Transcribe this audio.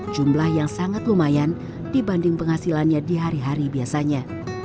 jumlah yang sangat lumayan dibanding penghasilannya di hari hari biasanya